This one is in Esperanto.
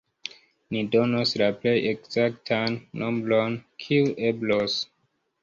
Ni donos la plej ekzaktan nombron, kiu eblos.